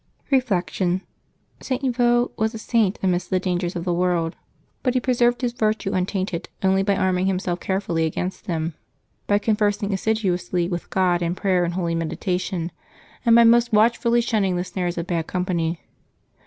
Reflection. — St. Yvo was a Saint amidst the dangers of the world; but he preserved his virtue untainted only by May 23] LIVES OF THE SAINTS 189 arming himself carefully against them, by conversing as siduonsly with God in prayer and holy meditation^ and by most watchfully shunning the snares of bad company.